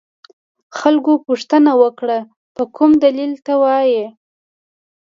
خلکو پوښتنه وکړه په کوم دلیل ته وایې.